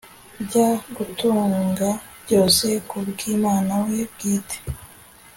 Bya gutunga byose kubwumwina we bwite